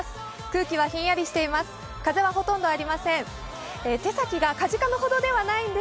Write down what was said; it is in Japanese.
空気はひんやりしています、風はほとんどありません。